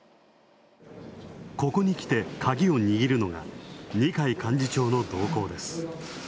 ここにきてカギを握るのが、二階幹事長の動向です。